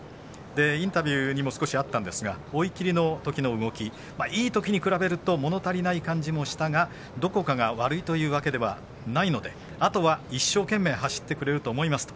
インタビューにも少しあったんですが追い切りのところの動きいいときに比べるともの足りない感じもしたが、どこかが悪いということはないのであとは一生懸命走ってくれると思いますと。